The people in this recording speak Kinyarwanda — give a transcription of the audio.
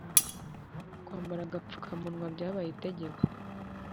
Kwambara agapfukamunwa byabaye itegeko